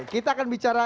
kita akan bicara